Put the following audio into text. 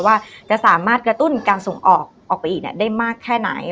ว่าจะสามารถกระตุ้นการส่งออกออกไปอีกได้มากแค่ไหน